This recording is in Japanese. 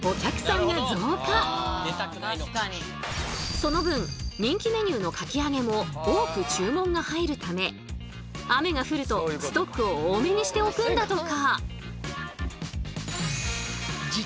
その分人気メニューのかき揚げも多く注文が入るため雨が降るとストックを多めにしておくんだとか。